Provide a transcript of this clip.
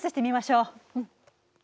うん。